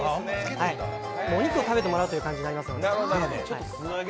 お肉を食べてもらうという感じになりますので。